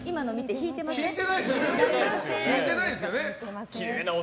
引いてないですよね。